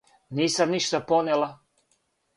Нисам ништа понела.